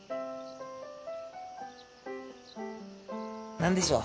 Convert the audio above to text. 何でしょう？